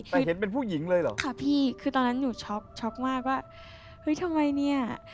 แต่เห็นเป็นผู้หญิงเลยเหรอค่ะพี่คือตอนนั้นหนูช็อกช็อกมากว่าเฮ้ยทำไมเนี่ย